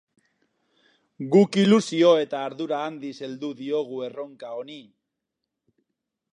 Guk ilusio eta ardura handiz heldu diogu erronka honi.